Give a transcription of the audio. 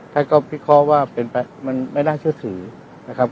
ท่านก็พิเคราะห์ว่าเป็นไปมันไม่น่าเชื่อถือนะครับ